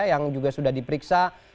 yang juga sudah diperiksa